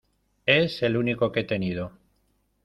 Es el único que he tenido.